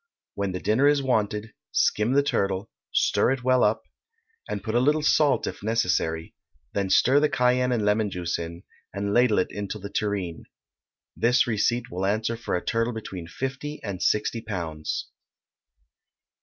When the dinner is wanted, skim the turtle, stir it well up, and put a little salt, if necessary; then stir the cayenne and lemon juice in, and ladle it into the tureen. This receipt will answer for a turtle between fifty and sixty pounds.